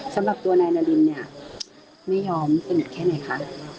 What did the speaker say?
สำหรับตัวนายนารินเนี่ยไม่ยอมสนิทแค่ไหนคะ